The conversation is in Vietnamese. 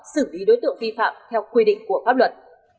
xử lý đối tượng vi phạm theo quy định của pháp luật